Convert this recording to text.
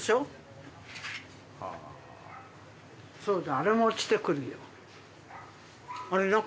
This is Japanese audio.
そうだあれも落ちてくるよ。